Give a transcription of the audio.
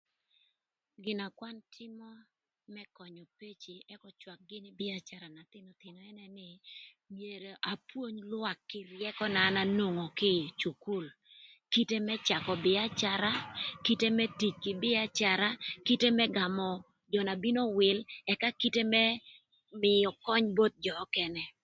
Gina kwan tïmö më könyö peci ëk öcak gïnï bïacara na thïnöthïnö ën ene, myero apwony lwak kï ryëkö na an anwongo kï ï cukul kite më cakö bïacara, kite më tic kï bïacara, kï kite më gamö jö na bino wïl ëka kite më mïö köny both jö ökënë.